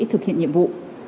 thực hiện nhiệm vụ